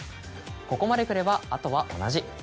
ここまでくればあとは同じ。